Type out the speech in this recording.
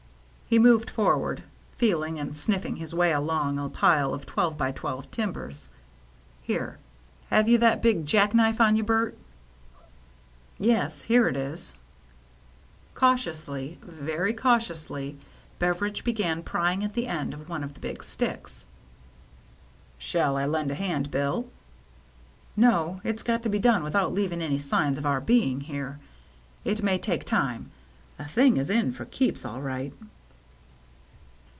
He moved forward, feeling and sniffing his way along a pile of twelve by twelve timbers. " Here, have you that big jack knife on you, Bert?" " Yes ; here it is." Cautiously, very cautiously, Beveridge began prying at the end of one of the big sticks. "Shall I lend a hand. Bill?" "No; it's got to be done without leaving any signs of our being here. It may take time — the thing is in for keeps, all right."